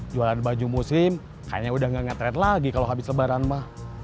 jualan baju muslim kayaknya udah gak nge trend lagi kalo habis lebaran ma